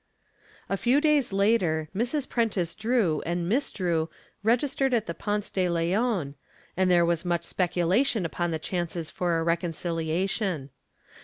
A few days later Mrs. Prentiss Drew and Miss Drew registered at the Ponce de Leon, and there was much speculation upon the chances for a reconciliation.